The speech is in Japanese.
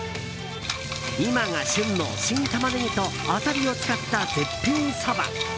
今が旬の新タマネギとアサリを使った絶品そば。